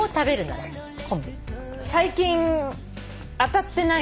最近当たってない。